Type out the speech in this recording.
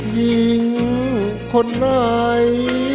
ยิงคนร้าย